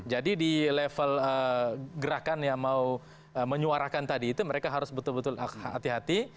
jadi di level gerakan yang mau menyuarakan tadi itu mereka harus betul betul hati hati